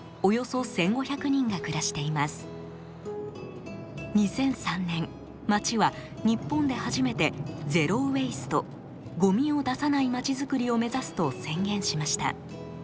２００３年町は日本で初めてゼロ・ウェイストごみを出さない町づくりを目指すと宣言しました。